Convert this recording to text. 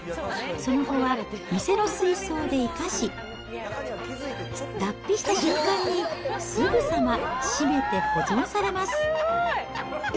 その後は店の水槽で生かし、脱皮した瞬間に、すぐさましめて保存されます。